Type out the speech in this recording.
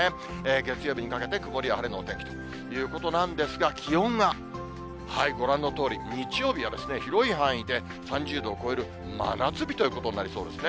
月曜日にかけて曇りや晴れのお天気ということなんですが、気温がご覧のとおり、日曜日は広い範囲で３０度を超える真夏日ということになりそうですね。